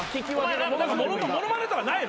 物まねとかないの？